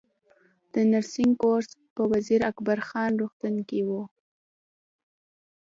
د نرسنګ کورس په وزیر اکبر خان روغتون کې و